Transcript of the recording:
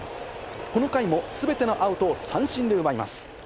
この回もすべてのアウトを三振で奪います。